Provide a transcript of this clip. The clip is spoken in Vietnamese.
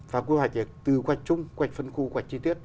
và quy hoạch từ quạch chung quạch phân khu quạch chi tiết